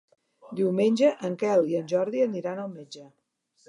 Diumenge en Quel i en Jordi aniran al metge.